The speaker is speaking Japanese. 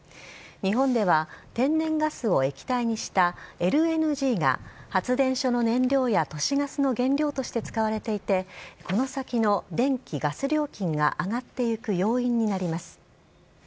日本では、天然ガスを液体にしたＬＮＧが、発電所の燃料や都市ガスの原料として使われていて、この先の電気・ガス料金が上がっていく要因になります。